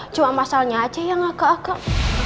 cuma pasalnya aja yang agak agak